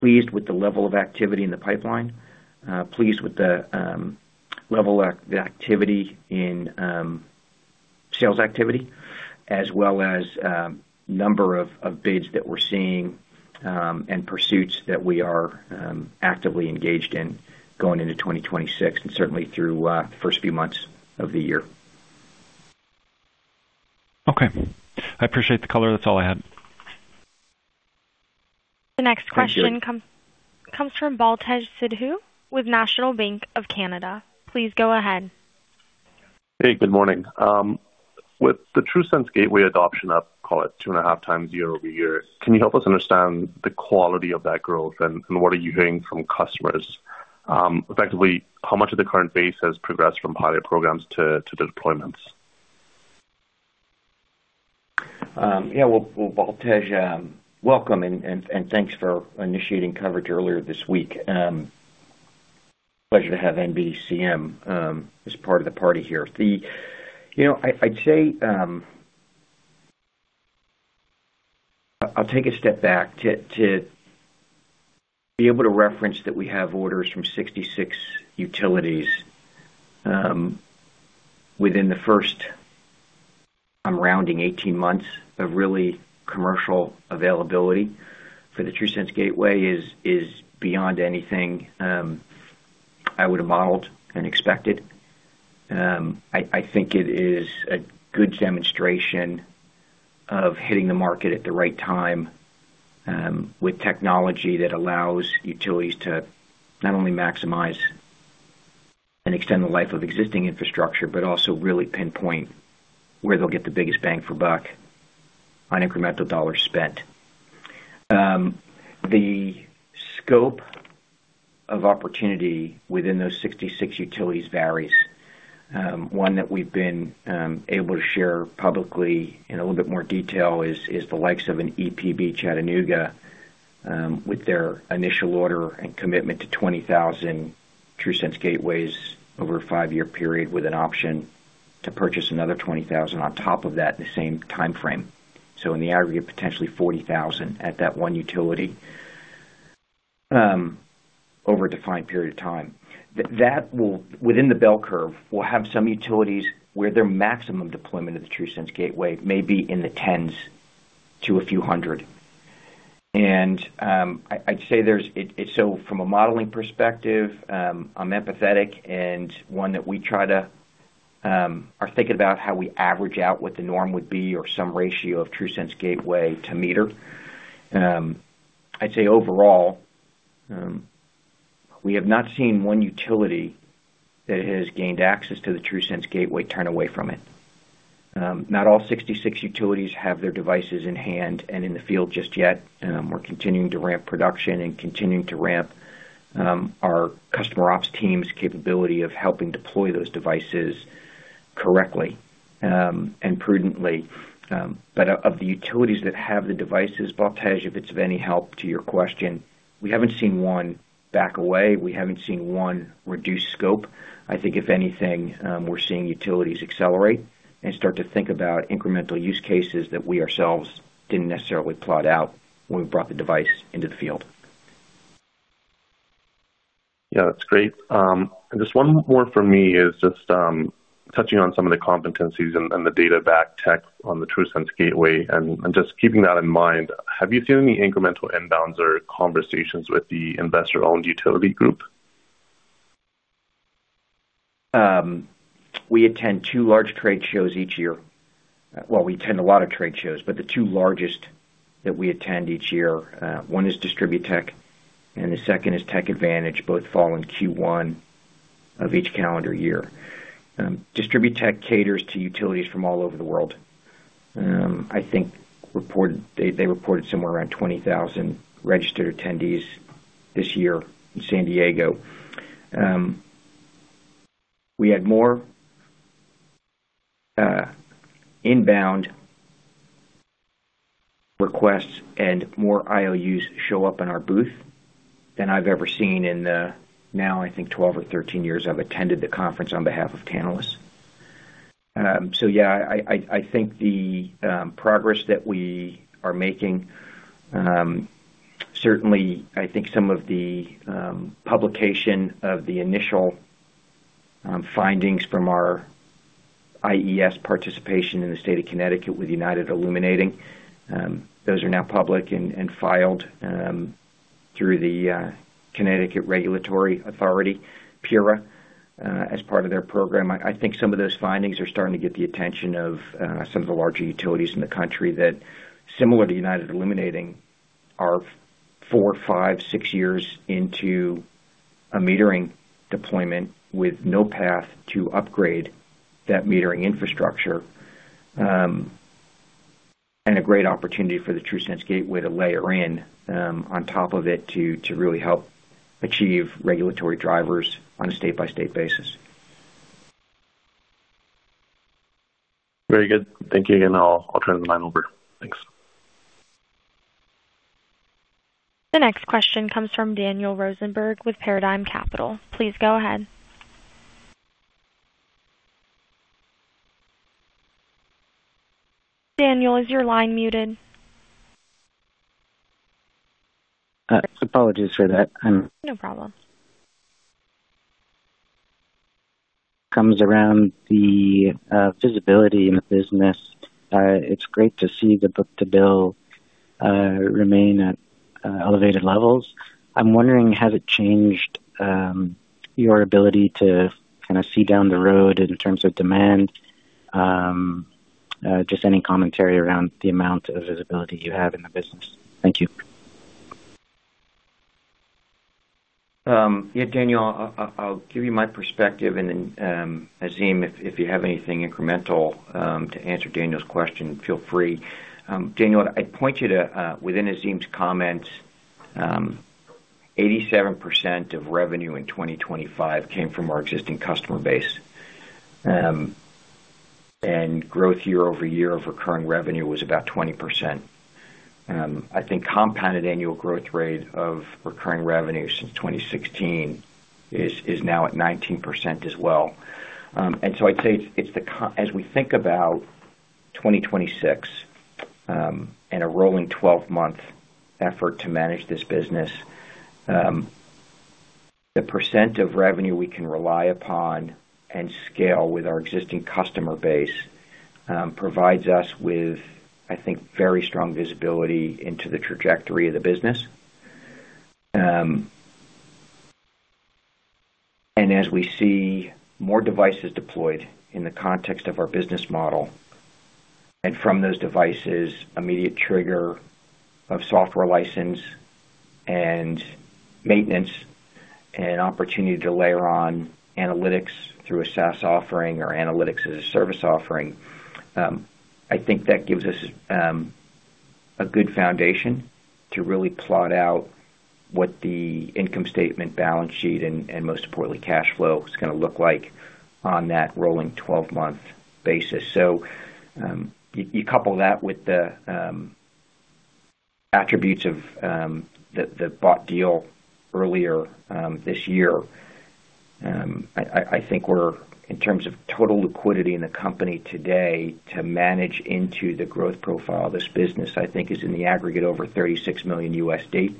we are pleased with the level of activity in the pipeline, pleased with the level of the activity in sales activity as well as number of bids that we're seeing, and pursuits that we are actively engaged in going into 2026 and certainly through the first few months of the year. Okay. I appreciate the color. That's all I had. Thank you. The next question comes from Baltej Sidhu with National Bank of Canada. Please go ahead. Hey, good morning. With the TRUSense Gateway adoption up, call it 2.5x year-over-year, can you help us understand the quality of that growth and what are you hearing from customers? Effectively, how much of the current base has progressed from pilot programs to deployments? Yeah, Baltej, welcome and thanks for initiating coverage earlier this week. Pleasure to have NBCM as part of the party here. You know, I'd say I'll take a step back to be able to reference that we have orders from 66 utilities within the first, I'm rounding 18 months of really commercial availability for the TRUSense Gateway is beyond anything I would have modeled and expected. I think it is a good demonstration of hitting the market at the right time with technology that allows utilities to not only maximize and extend the life of existing infrastructure, but also really pinpoint where they'll get the biggest bang for buck on incremental dollars spent. The scope of opportunity within those 66 utilities varies. One that we've been able to share publicly in a little bit more detail is the likes of an EPB of Chattanooga with their initial order and commitment to 20,000 TRUSense Gateways over a five-year period, with an option to purchase another 20,000 on top of that in the same timeframe. In the aggregate, potentially 40,000 at that one utility over a defined period of time. That will, within the bell curve, have some utilities where their maximum deployment of the TRUSense Gateway may be in the tens to a few hundred. I'd say from a modeling perspective, I'm empathetic and one that we try to think about how we average out what the norm would be or some ratio of TRUSense Gateway to meter. I'd say overall, we have not seen one utility that has gained access to the TRUSense Gateway turn away from it. Not all 66 utilities have their devices in hand and in the field just yet. We're continuing to ramp production and continuing to ramp our customer ops team's capability of helping deploy those devices correctly and prudently. Of the utilities that have the devices, Baltej, if it's of any help to your question, we haven't seen one back away. We haven't seen one reduce scope. I think if anything, we're seeing utilities accelerate and start to think about incremental use cases that we ourselves didn't necessarily plot out when we brought the device into the field. Yeah, that's great. Just one more for me is just touching on some of the components and the data backend tech on the TRUSense Gateway. Just keeping that in mind, have you seen any incremental inbounds or conversations with the investor-owned utility group? We attend two large trade shows each year. Well, we attend a lot of trade shows, but the two largest that we attend each year, one is DistribuTECH and the second is TechAdvantage. Both fall in Q1 of each calendar year. DistribuTECH caters to utilities from all over the world. I think they reported somewhere around 20,000 registered attendees this year in San Diego. We had more inbound requests and more IOUs show up in our booth than I've ever seen in the now I think 12 or 13 years I've attended the conference on behalf of Tantalus. Yeah, I think the progress that we are making, certainly I think some of the publication of the initial findings from our IES participation in the state of Connecticut with United Illuminating, those are now public and filed through the Connecticut Public Utilities Regulatory Authority, PURA, as part of their program. I think some of those findings are starting to get the attention of some of the larger utilities in the country that, similar to United Illuminating, are four, five, six years into a metering deployment with no path to upgrade that metering infrastructure, and a great opportunity for the TRUSense Gateway to layer in on top of it to really help achieve regulatory drivers on a state-by-state basis. Very good. Thank you again. I'll turn the line over. Thanks. The next question comes from Daniel Rosenberg with Paradigm Capital. Please go ahead. Daniel, is your line muted? Apologies for that. No problem. Comments around the visibility in the business. It's great to see the book-to-bill remain at elevated levels. I'm wondering, has it changed your ability to kinda see down the road in terms of demand? Just any commentary around the amount of visibility you have in the business. Thank you. Yeah, Daniel, I'll give you my perspective and then, Azim, if you have anything incremental to answer Daniel's question, feel free. Daniel, I'd point you to within Azim's comments, 87% of revenue in 2025 came from our existing customer base. Growth year-over-year of recurring revenue was about 20%. I think compounded annual growth rate of recurring revenue since 2016 is now at 19% as well. I'd say as we think about 2026, and a rolling 12-month effort to manage this business, the percent of revenue we can rely upon and scale with our existing customer base provides us with, I think, very strong visibility into the trajectory of the business. As we see more devices deployed in the context of our business model, and from those devices, immediate trigger of software license and maintenance and opportunity to layer on analytics through a SaaS offering or analytics as a service offering, I think that gives us a good foundation to really plot out what the income statement, balance sheet, and most importantly, cash flow is gonna look like on that rolling twelve-month basis. You couple that with the attributes of the bought deal earlier this year. I think we're in terms of total liquidity in the company today to manage into the growth profile of this business. I think is in the aggregate over $36 million, $8.5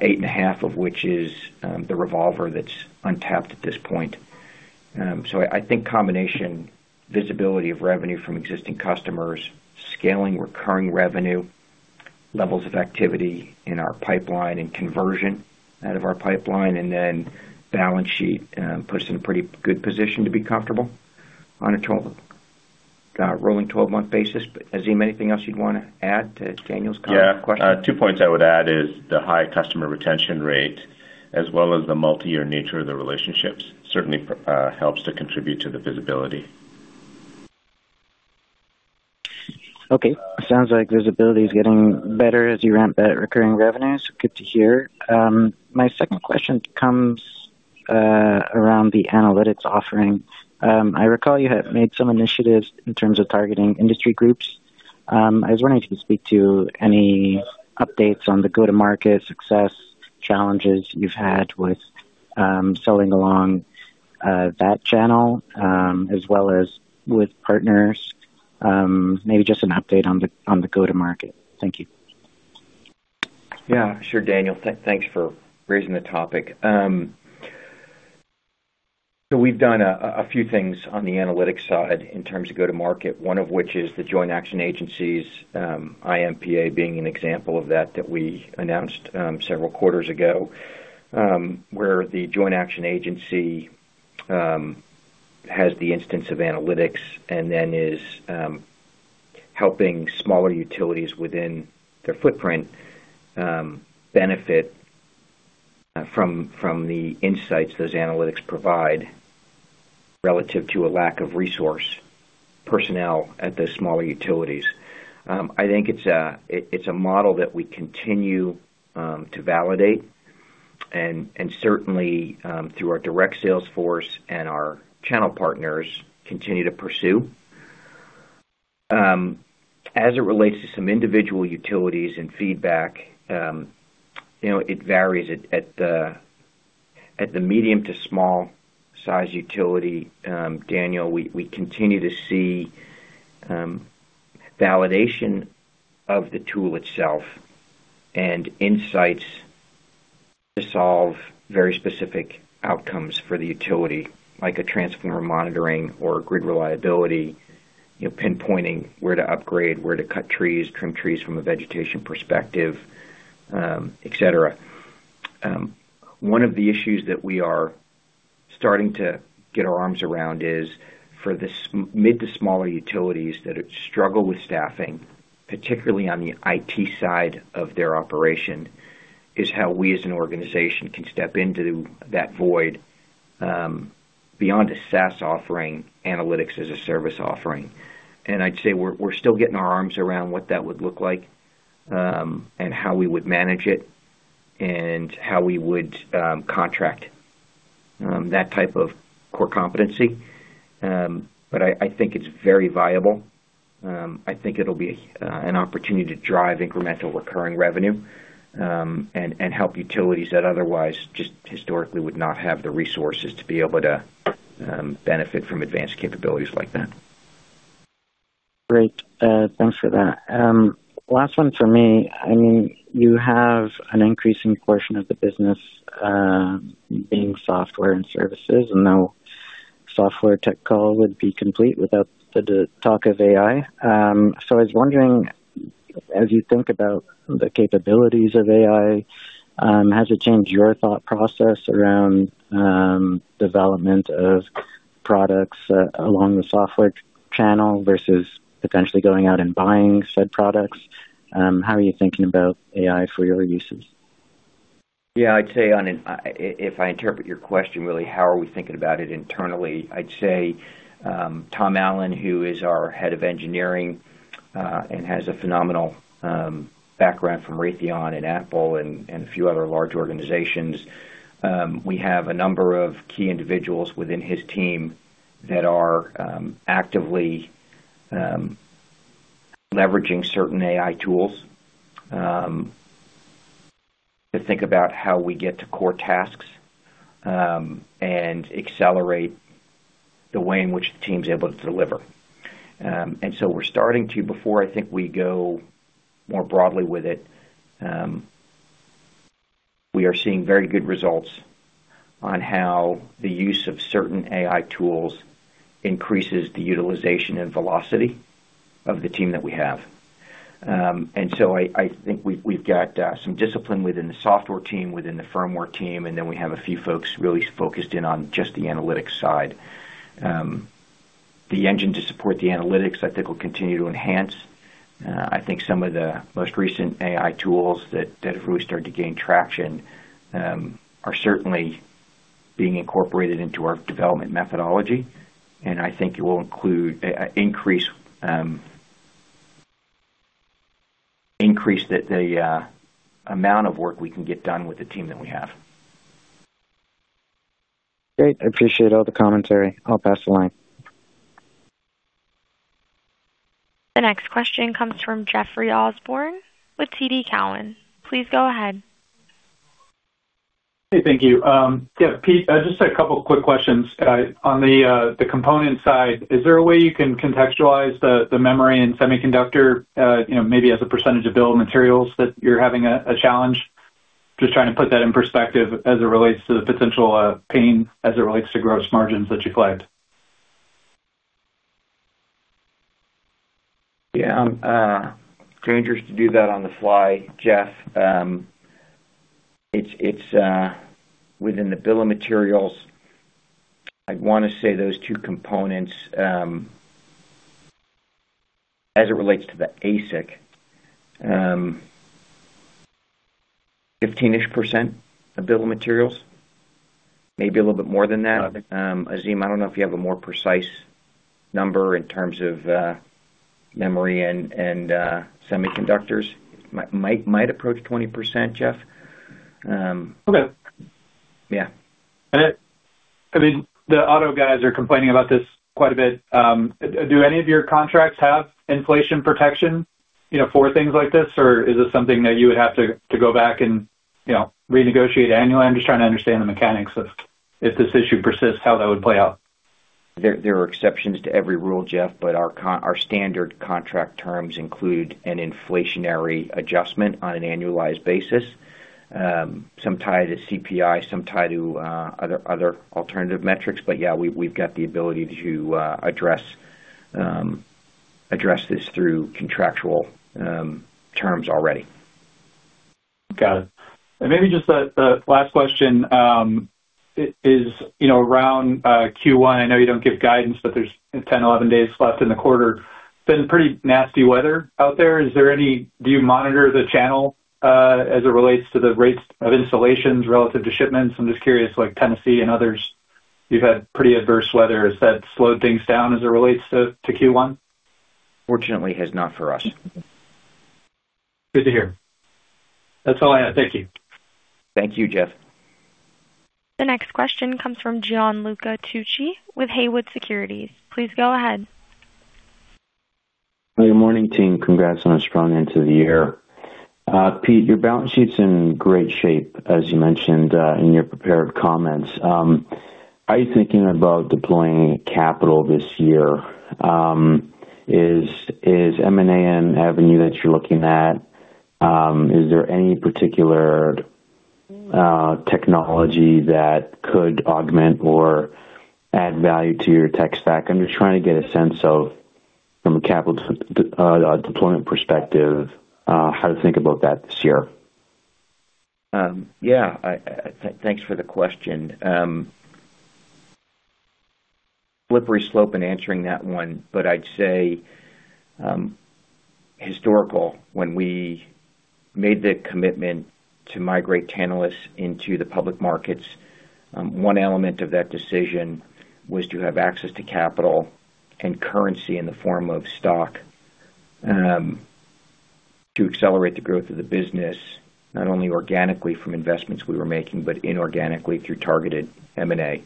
million of which is the revolver that's untapped at this point. I think combination visibility of revenue from existing customers, scaling recurring revenue, levels of activity in our pipeline and conversion out of our pipeline, and then balance sheet puts us in a pretty good position to be comfortable on a rolling twelve-month basis. Azim, anything else you'd wanna add to Daniel's comment or question? Yeah. Two points I would add is the high customer retention rate as well as the multi-year nature of the relationships certainly helps to contribute to the visibility. Okay. Sounds like visibility is getting better as you ramp that recurring revenue, so good to hear. My second question comes around the analytics offering. I recall you had made some initiatives in terms of targeting industry groups. I was wondering if you could speak to any updates on the go-to-market success challenges you've had with selling along that channel, as well as with partners. Maybe just an update on the go-to-market. Thank you. Yeah, sure, Daniel. Thanks for raising the topic. So we've done a few things on the analytics side in terms of go-to-market, one of which is the joint action agencies, IMPA being an example of that we announced several quarters ago, where the joint action agency has the instance of analytics and then is helping smaller utilities within their footprint benefit from the insights those analytics provide relative to a lack of resource personnel at the smaller utilities. I think it's a model that we continue to validate and certainly through our direct sales force and our channel partners continue to pursue. As it relates to some individual utilities and feedback, you know, it varies. At the medium to small size utility, Daniel, we continue to see validation of the tool itself and insights to solve very specific outcomes for the utility, like a transformer monitoring or grid reliability, you know, pinpointing where to upgrade, where to cut trees, trim trees from a vegetation perspective, et cetera. One of the issues that we are starting to get our arms around is for the mid to smaller utilities that have struggled with staffing, particularly on the IT side of their operation, is how we as an organization can step into that void, beyond a SaaS offering analytics as a service offering. I'd say we're still getting our arms around what that would look like, and how we would manage it and how we would contract that type of core competency. I think it's very viable. I think it'll be an opportunity to drive incremental recurring revenue, and help utilities that otherwise just historically would not have the resources to be able to benefit from advanced capabilities like that. Great. Thanks for that. Last one for me. I mean, you have an increasing portion of the business being software and services, and no software tech call would be complete without the talk of AI. I was wondering, as you think about the capabilities of AI, has it changed your thought process around development of products along the software channel versus potentially going out and buying said products? How are you thinking about AI for your uses? Yeah. I'd say, if I interpret your question really how are we thinking about it internally, I'd say, Tom Allen, who is our head of engineering, and has a phenomenal background from Raytheon and Apple and a few other large organizations, we have a number of key individuals within his team that are actively leveraging certain AI tools to think about how we get to core tasks and accelerate the way in which the team's able to deliver. We're starting to, before I think we go more broadly with it, we are seeing very good results on how the use of certain AI tools increases the utilization and velocity of the team that we have. I think we've got some discipline within the software team, within the firmware team, and then we have a few folks really focused in on just the analytics side. The engine to support the analytics I think will continue to enhance. I think some of the most recent AI tools that have really started to gain traction are certainly being incorporated into our development methodology, and I think it will increase the amount of work we can get done with the team that we have. Great. I appreciate all the commentary. I'll pass the line. The next question comes from Jeffrey Osborne with TD Cowen. Please go ahead. Hey. Thank you. Yeah, Pete, just a couple quick questions. On the component side, is there a way you can contextualize the memory and semiconductor, you know, maybe as a percentage of bill of materials that you're having a challenge? Just trying to put that in perspective as it relates to the potential pain as it relates to gross margins that you collect. Yeah. Dangerous to do that on the fly, Jeff. It's within the bill of materials. I'd wanna say those two components, as it relates to the ASIC, 15-ish% of bill of materials, maybe a little bit more than that. Azim, I don't know if you have a more precise number in terms of memory and semiconductors. Might approach 20%, Jeff. Okay. Yeah. I mean, the auto guys are complaining about this quite a bit. Do any of your contracts have inflation protection, you know, for things like this? Or is this something that you would have to go back and, you know, renegotiate annually? I'm just trying to understand the mechanics of if this issue persists, how that would play out. There are exceptions to every rule, Jeff, but our standard contract terms include an inflationary adjustment on an annualized basis. Some tied to CPI, some tied to other alternative metrics. Yeah, we've got the ability to address this through contractual terms already. Got it. Maybe just a last question, is you know around Q1. I know you don't give guidance, but there's 10, 11 days left in the quarter. It's been pretty nasty weather out there. Is there any. Do you monitor the channel as it relates to the rates of installations relative to shipments? I'm just curious, like Tennessee and others, you've had pretty adverse weather. Has that slowed things down as it relates to Q1? Fortunately, it has not for us. Good to hear. That's all I had. Thank you. Thank you, Jeff. The next question comes from Gianluca Tucci with Haywood Securities. Please go ahead. Good morning, team. Congrats on a strong end to the year. Pete, your balance sheet's in great shape, as you mentioned in your prepared comments. Are you thinking about deploying capital this year? Is M&A an avenue that you're looking at? Is there any particular technology that could augment or add value to your tech stack? I'm just trying to get a sense of, from a capital deployment perspective, how to think about that this year. Thanks for the question. Slippery slope in answering that one, but I'd say, historical, when we made the commitment to migrate Tantalus into the public markets, one element of that decision was to have access to capital and currency in the form of stock, to accelerate the growth of the business, not only organically from investments we were making, but inorganically through targeted M&A.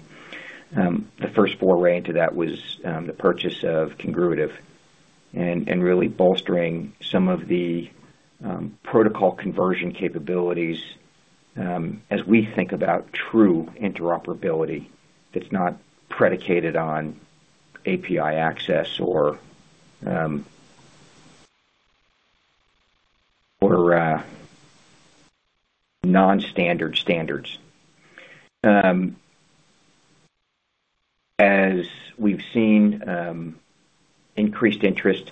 The first foray into that was the purchase of Congruitive and really bolstering some of the protocol conversion capabilities, as we think about true interoperability that's not predicated on API access or non-standard standards. As we've seen, increased interest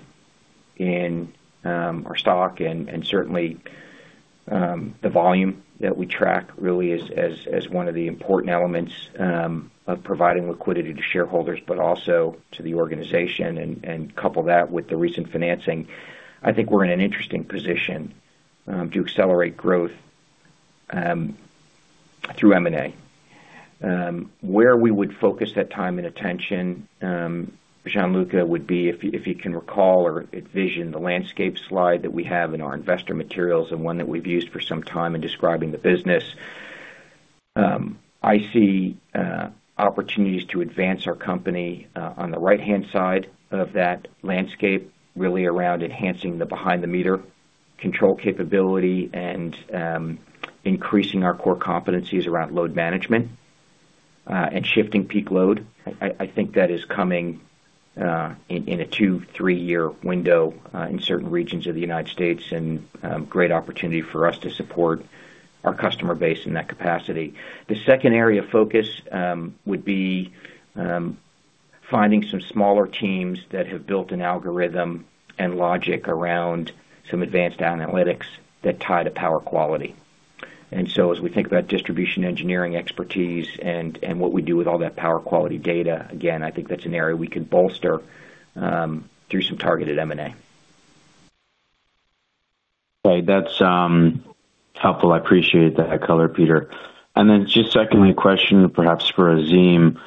in our stock and certainly the volume that we track really as one of the important elements of providing liquidity to shareholders, but also to the organization, and couple that with the recent financing. I think we're in an interesting position to accelerate growth through M&A. Where we would focus that time and attention, Gianluca, would be if you can recall or envision the landscape slide that we have in our investor materials and one that we've used for some time in describing the business. I see opportunities to advance our company on the right-hand side of that landscape, really around enhancing the behind-the-meter control capability and increasing our core competencies around load management and shifting peak load. I think that is coming in a two, three-year window in certain regions of the United States and great opportunity for us to support our customer base in that capacity. The second area of focus would be finding some smaller teams that have built an algorithm and logic around some advanced analytics that tie to power quality. As we think about distribution engineering expertise and what we do with all that power quality data, again, I think that's an area we could bolster through some targeted M&A. Okay, that's helpful. I appreciate that color, Peter. Just secondly, question perhaps for Azim.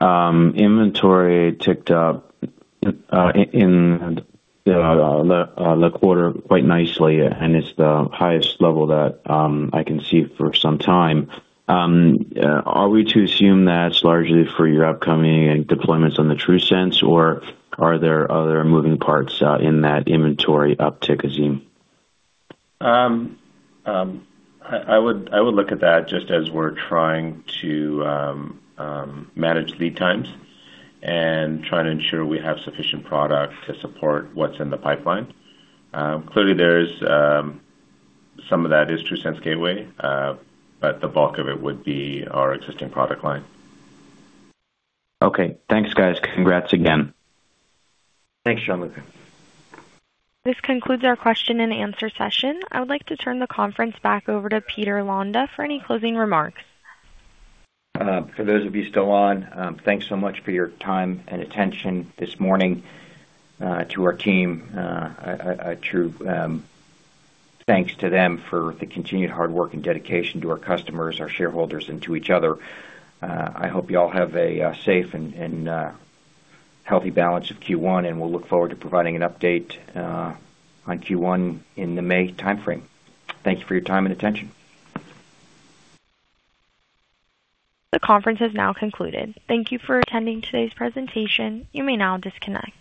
Inventory ticked up in the quarter quite nicely, and it's the highest level that I can see for some time. Are we to assume that's largely for your upcoming deployments on the TRUSense or are there other moving parts in that inventory uptick, Azim? I would look at that just as we're trying to manage lead times and trying to ensure we have sufficient product to support what's in the pipeline. Clearly there's some of that is TRUSense Gateway, but the bulk of it would be our existing product line. Okay. Thanks, guys. Congrats again. Thanks, Jean-Luc. This concludes our question-and-answer session. I would like to turn the conference back over to Peter Londa for any closing remarks. For those of you still on, thanks so much for your time and attention this morning. To our team, a true thanks to them for the continued hard work and dedication to our customers, our shareholders, and to each other. I hope you all have a safe and healthy balance of Q1, and we'll look forward to providing an update on Q1 in the May timeframe. Thank you for your time and attention. The conference has now concluded. Thank you for attending today's presentation. You may now disconnect.